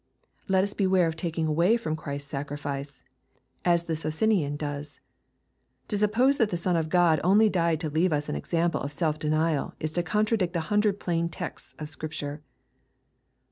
— Let us beware of taking away from Christ's sacrifice, as the Socinian does. To suppose that the Son of God only died to leave us an example of self denial, is to contradict a hundred plain texts of Scripture.